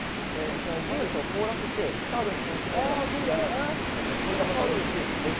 ジュースを凍らせて、シャーベットにしたのが、こちらなんですけど、これがまたおいしいので、ぜひ。